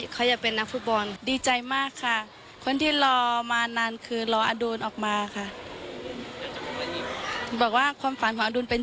คิดถึงอดุล